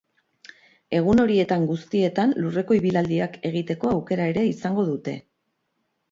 Egun horietan guztietan, lurreko ibilaldiak egiteko aukera ere izango dute.